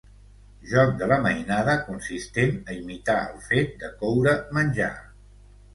Joc de la mainada consistent a imitar el fet de coure menjar.